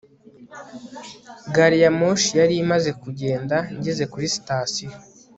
gari ya moshi yari imaze kugenda ngeze kuri sitasiyo